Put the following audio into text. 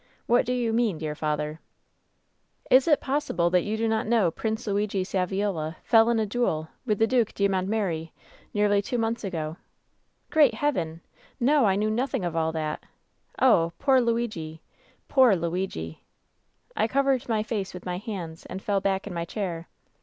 What do you mean, dear father ?'" 'Is it possible that you do not know Prince Luigi Saviola fell in a duel with the Due de Mpntmeri, nearly two months ago!' WHEN SHADOWS DIE S09 " ^Great Heaven 1 No, I knew nothing of all that. Oh, poor Luigi ! Poor Luigi !' I covered my face with my hands and fell back in my chair.